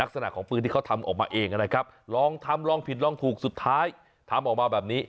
ลักษณะของปืนที่เขาทำออกมาเองนะครับลองทำลองผิดลองถูกสุดท้ายทำออกมาแบบนี้